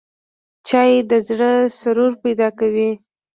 چای د زړه سرور پیدا کوي